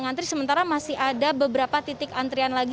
antri sementara masih ada beberapa titik antrian lagi